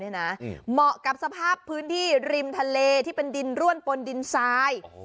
เหมาะกับสภาพพื้นที่ริมทะเลที่เป็นดินร่วนปนดินทราย